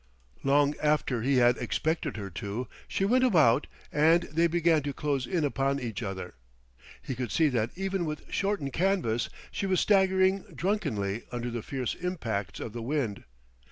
Long after he had expected her to, she went about and they began to close in upon each other. He could see that even with shortened canvas she was staggering drunkenly under the fierce impacts of the wind.